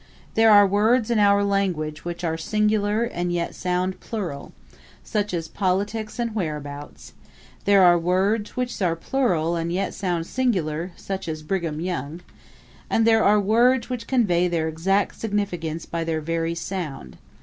There are words in our language which are singular and yet sound plural, such as politics and whereabouts; there are words which are plural and yet sound singular, such as Brigham Young, and there are words which convey their exact significance by their very sound.